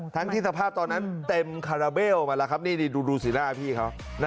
ทั้งที่สภาพตอนนั้นเต็มคาราเบลมาแล้วครับนี่ดูสีหน้าพี่เขา